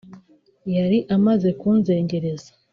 yari amaze kunzengereza